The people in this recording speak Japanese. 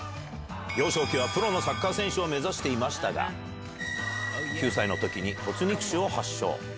幼少期はプロのサッカー選手を目指していましたが、９歳のときに骨肉腫を発症。